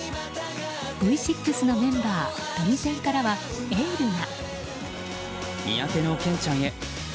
Ｖ６のメンバー、トニセンからはエールが。